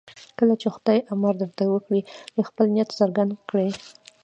کله چې خدای امر درته وکړي خپل نیت څرګند کړئ.